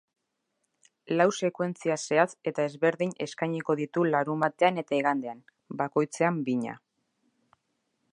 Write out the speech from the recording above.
Lau sekuentzia zehatz eta ezberdin eskainiko ditu larunbatean eta igandean, bakoitzean bina.